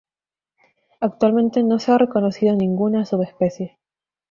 Actualmente no se ha reconocido ninguna subespecie.